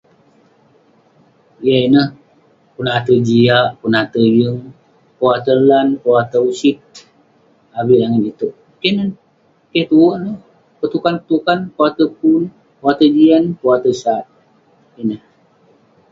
Yah ineh..pun ate'jiak, pun ate' yeng..pun ate' lan, pun ate' usit..avik langit itouk..keh neh..keh tuwerk neh..petukan tukan, pun ate' pun, pun ate' jian, pun ate' sat..ineh..